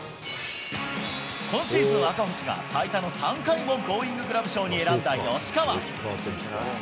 今シーズン、赤星が最多の３回もゴーインググラブ賞に選んだ吉川。